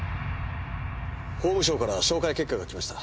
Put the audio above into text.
法務省から照会結果がきました。